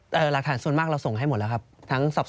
แต่หลักฐานส่วนมากเราส่งให้หมดแล้วครับ